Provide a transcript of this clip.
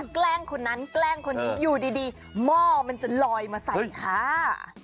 แกล้งคนนั้นแกล้งคนนี้อยู่ดีหม้อมันจะลอยมาใส่ค่ะ